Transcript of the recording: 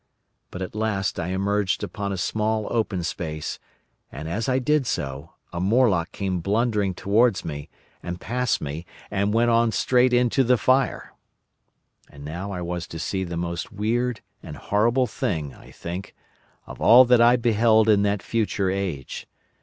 But at last I emerged upon a small open space, and as I did so, a Morlock came blundering towards me, and past me, and went on straight into the fire! "And now I was to see the most weird and horrible thing, I think, of all that I beheld in that future age.